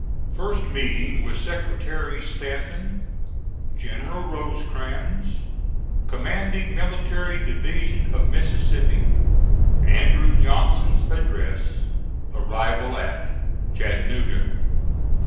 FIRST MEETING WITH SECRETARY STANTON GENERAL ROSECRANS COMMANDING MILITARY DIVISION OF MISSISSIPPI ANDREW JOHNSON'S ADDRESS ARRIVAL AT CHATTANOOGA.